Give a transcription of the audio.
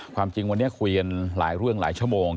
ความจริงวันนี้คุยกันหลายเรื่องหลายชั่วโมง